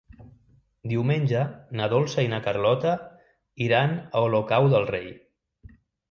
Diumenge na Dolça i na Carlota iran a Olocau del Rei.